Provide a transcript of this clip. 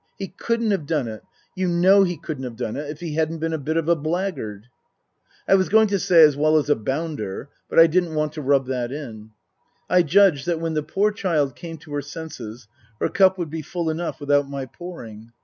He couldn't have done it you know he couldn't have done it if he hadn't been a bit of a blackguard." I was going to say, " as well as a bounder "; but I didn't want to rub that in. I judged that when the poor child came to her senses her cup would be full enough without my pouring.